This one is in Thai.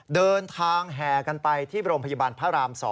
เดินทางแห่กันไปที่โรงพยาบาลพระราม๒